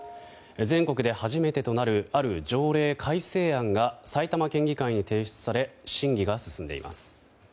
全国で初めてとなるある条例改正案が埼玉県議会に提出され審議が進んでいます。